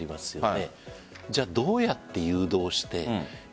じゃあどうやって誘導するのか。